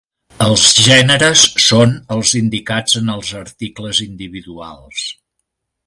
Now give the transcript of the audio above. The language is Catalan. Els gèneres són els indicats en els articles individuals.